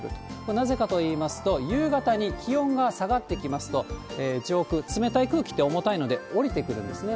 なぜかというと、夕方に気温が下がってきますと、上空、冷たい空気って重たいので、下りてくるんですね。